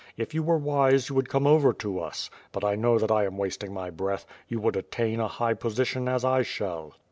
If you were wise you would come over to us, but I know that I am wasting my breath; you would attain a high position as 1 shall."